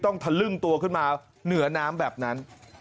ทะลึ่งตัวขึ้นมาเหนือน้ำแบบนั้น